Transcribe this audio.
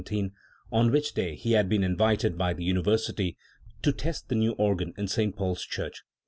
i6th December 1717, on which day he had been invited by the University to test the new organ in St. Paul's church.